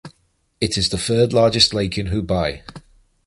It is the third largest lake in Hubei.